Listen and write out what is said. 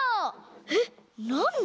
えっなんで？